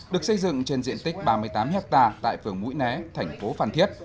được xây dựng trên diện tích ba mươi tám hectare tại phường mũi né thành phố phan thiết